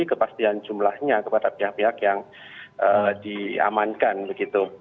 kepastian jumlahnya kepada pihak pihak yang diamankan begitu